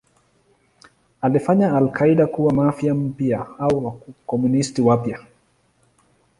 Ilifanya al-Qaeda kuwa Mafia mpya au Wakomunisti wapya.